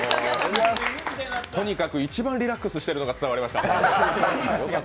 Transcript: とにかく一番リラックスしているのが伝わりました。